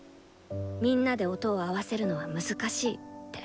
「みんなで音を合わせるのは難しい」って。